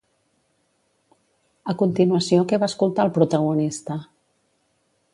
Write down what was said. A continuació què va escoltar el protagonista?